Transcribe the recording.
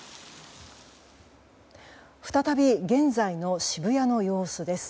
再び現在の渋谷の様子です。